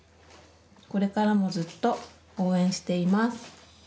これからもずっと応援しています。